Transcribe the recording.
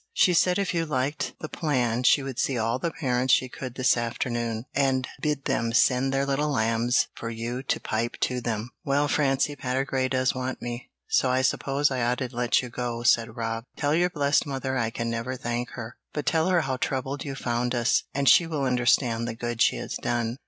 She said if you liked the plan she would see all the parents she could this afternoon, and bid them send their little lambs for you to pipe to them." "Well, Francie, Patergrey does want me, so I suppose I ought to let you go," said Rob. "Tell your blessed mother I can never thank her, but tell her how troubled you found us, and she will understand the good she has done."